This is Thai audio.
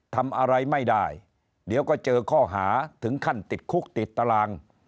ทำอะไรไม่ได้เดี๋ยวก็เจอข้อหาถึงขั้นติดคุกติดตาราง